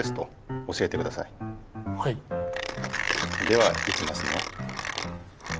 ではいきますね。